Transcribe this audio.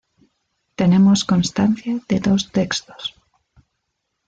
Tenemos constancia de dos textos.